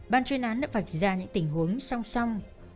ban chuyên án đã vạch ra những tình huống song song